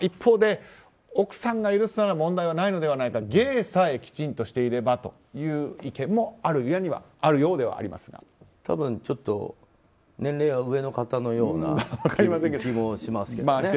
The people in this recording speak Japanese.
一方で奥さんが許すのであれば問題はないのでないかと芸さえきちんとしていればいいのではないかという意見が多分ちょっと年齢が上の方のような気もしますけどね。